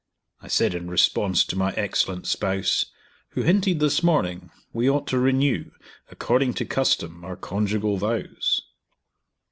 I said in response to my excellent spouse, Who hinted, this morning, we ought to renew According to custom, our conjugal vows.